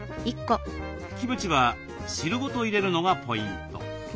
キムチは汁ごと入れるのがポイント。